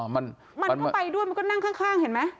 มันก็ไปด้วยมันก็นั่งข้างเห็นไหม